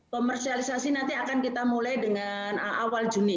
komersialisasi nanti akan kita mulai dengan awal juni